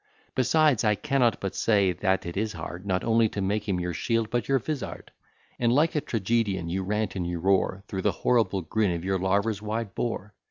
Besides, I cannot but say that it is hard, Not only to make him your shield, but your vizard; And like a tragedian, you rant and you roar, Through the horrible grin of your larva's wide bore.